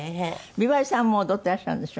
美波里さんも踊っていらっしゃるんでしょ？